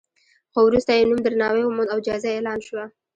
خو وروسته یې نوم درناوی وموند او جایزه اعلان شوه.